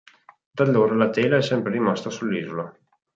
Da allora la tela è sempre rimasta sull'Isola.